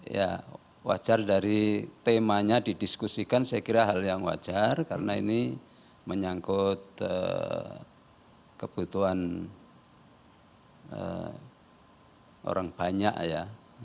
ya wajar dari temanya didiskusikan saya kira hal yang wajar karena ini menyangkut kebutuhan orang banyak ya